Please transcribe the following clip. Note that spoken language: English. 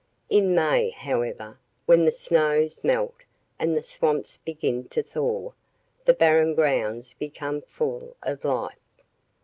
In May, however, when the snows melt and the swamps begin to thaw, the Barren Grounds become full of life.